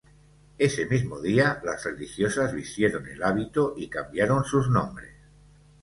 Ese mismo día las religiosas vistieron el hábito y cambiaron sus nombres.